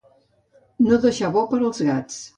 No deixar bo per als gats.